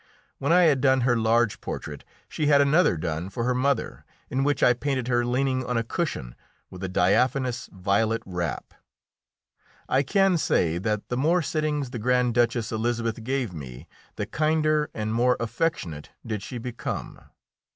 When I had done her large portrait she had another done for her mother, in which I painted her leaning on a cushion, with a diaphanous violet wrap. I can say that the more sittings the Grand Duchess Elisabeth gave me, the kinder and more affectionate did she become.